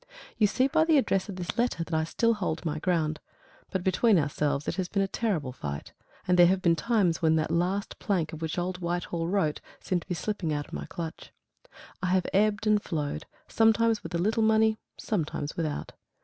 You see by the address of this letter that I still hold my ground, but between ourselves it has been a terrible fight, and there have been times when that last plank of which old Whitehall wrote seemed to be slipping out of my clutch. I have ebbed and flowed, sometimes with a little money, sometimes without.